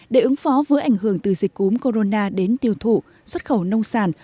để ứng phó với ảnh hưởng từ dịch cúm corona đến tiêu thụ xuất khẩu nông sản